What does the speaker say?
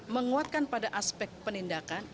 menguatkan pada aspek penindakan